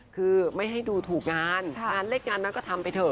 คือไม่ให้ดูถูกงานงานเล็กงานนั้นก็ทำไปเถ